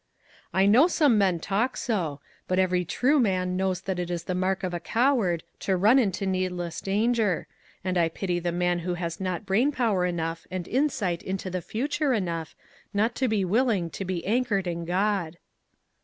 "I know some men talk so, but every Il6 ONE COMMONPLACE DAY. true man knows that it is the mark of a coward to run into needless danger, and I pity the man who has not brain power enough, and insight into the future enough, not to be willing to be anchored in God."